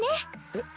えっ？